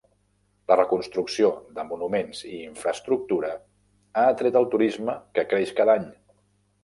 La reconstrucció de monuments i infraestructura ha atret el turisme que creix cada any.